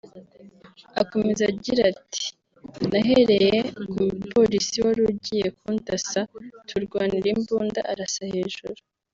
Akomeza agira ati “nNahereye ku mupolisi wari ugiye kundasa turwanira imbunda arasa hejuru